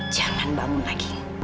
jangan bangun lagi